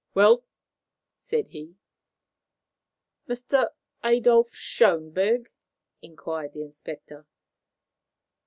"Well?" said he. "Mr. Adolf Schönberg?" inquired the inspector.